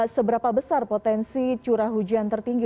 seberapa besar potensi curah hujan tertinggi